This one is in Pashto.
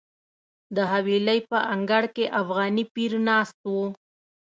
د حویلۍ په انګړ کې افغاني پیر ناست و.